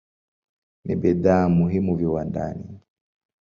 Ni bidhaa muhimu viwandani.